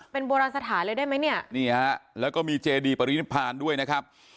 เป็นโบราณสถานเลยได้ไหมเนี่ยนี่ฮะแล้วก็มีเจดีปรินิพานด้วยนะครับ